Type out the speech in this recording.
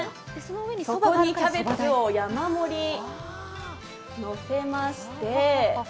そこにキャベツを山盛りのせまして。